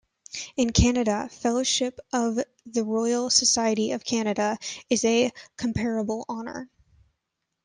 In Canada, Fellowship of the Royal Society of Canada is a comparable honour.